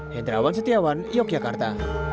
hendrawan setiawan yogyakarta